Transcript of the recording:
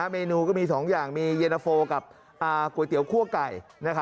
เมนูก็มี๒อย่างมีเย็นนาโฟกับก๋วยเตี๋ยวคั่วไก่